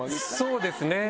そうですね。